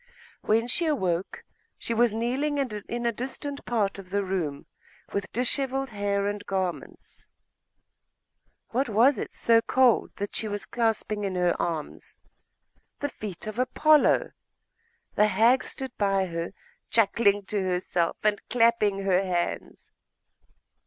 When she awoke, she was kneeling in a distant part of the room, with dishevelled hair and garments. What was it so cold that she was clasping in her arms? The feet of the Apollo! The hag stood by her, chuckling to herself and clapping her hands.